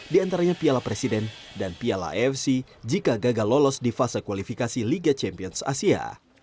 di antaranya piala presiden dan piala afc jika gagal lolos di fase kualifikasi liga champions asia